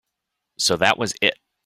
So that was it.